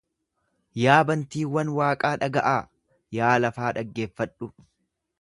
Yaa bantiiwwan waaqaa dhaga'aa! Yaa lafaa dhaggeeffadhu!